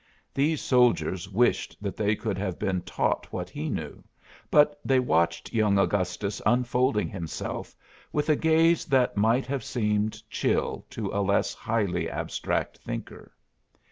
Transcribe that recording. These soldiers wished that they could have been taught what he knew; but they watched young Augustus unfolding himself with a gaze that might have seemed chill to a less highly abstract thinker.